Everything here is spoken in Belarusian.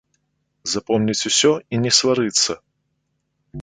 Запомніць усё і не сварыцца!